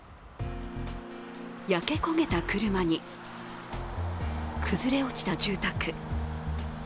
焼け焦げた車に崩れ落ちた住宅。